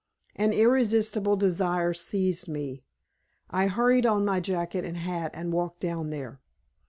An irresistible desire seized me. I hurried on my jacket and hat and walked down there.